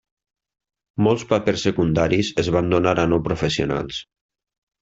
Molts papers secundaris es van donar a no-professionals.